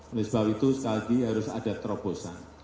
oleh sebab itu sekali lagi harus ada terobosan